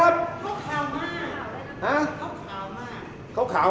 มันเป็นสิ่งที่เราไม่รู้สึกว่า